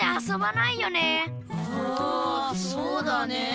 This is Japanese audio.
あそうだね。